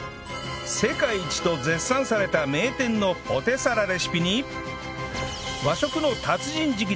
世界一と絶賛された名店のポテサラレシピに和食の達人直伝！